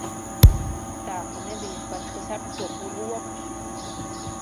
Tā ka nebija pat kas apkopj lopus.